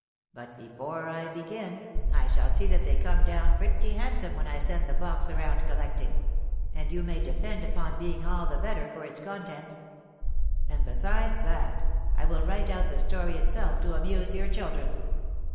But, before I begin, I shall see that they come down pretty handsome when I send the box around collecting; and you may depend upon being all the better for its contents. And, besides that, I will write out the story itself to amuse your children.